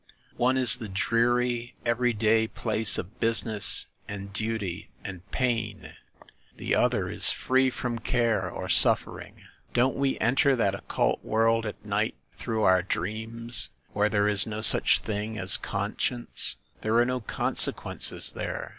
One is the dreary every day place of business and duty and pain ; the 2<5o THE MASTER OF MYSTERIES other is free from care or suffering. Don't we en ter that occult world at night through our dreams, where there is no such thing as conscience? There are no consequences there!